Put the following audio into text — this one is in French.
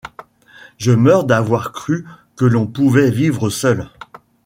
Je meurs d’avoir cru que l’on pouvait vivre seul !..